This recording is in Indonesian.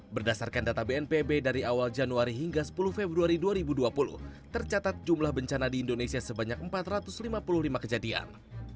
berdasarkan data bnpb dari awal januari hingga sepuluh februari dua ribu dua puluh tercatat jumlah bencana di indonesia sebanyak empat ratus lima puluh lima kejadian